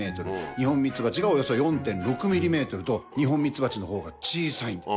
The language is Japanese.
ニホンミツバチがおよそ４．６ｍｍとニホンミツバチの方が小さい。